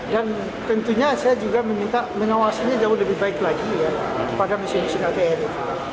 dan tentunya saya juga meminta menawasinya jauh lebih baik lagi ya pada mesin mesin atm itu